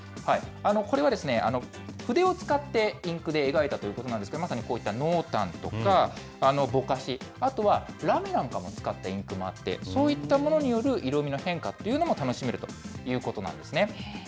これは筆を使ってインクで描いたということなんですが、まさにこういった濃淡とかぼかし、あとはラメなんかも使ったインクもあって、そういったものによる色味の変化というのも楽しめるということなんですね。